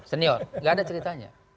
senior gak ada ceritanya